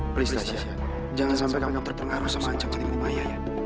please tasya jangan sampai kamu terpengaruh sama ancaman ibu maya